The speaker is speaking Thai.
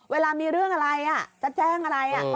เวลามีเรื่องอะไรจะแจ้งอะไร